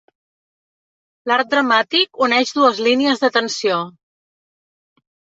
L'arc dramàtic uneix dues línies de tensió.